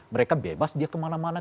mereka bebas dia kemana mana